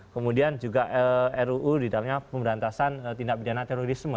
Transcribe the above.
kemudian juga ruu di dalamnya pemberantasan tindak pidana terorisme